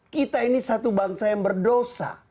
kita ini satu bangsa yang berdosa